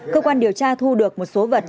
cơ quan điều tra thu được một số vật